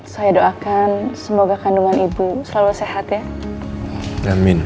saya doakan semoga kandungan ibu selalu sehat ya